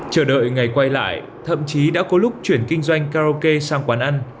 chờ đợi ngày quay lại thậm chí đã có lúc chuyển kinh doanh karaoke sang quán ăn